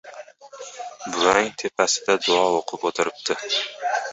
— Buvang tepasida duo o‘qib o‘tiribdi.